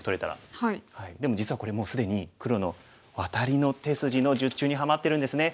でも実はこれもう既に黒のワタリの手筋の術中にはまってるんですね。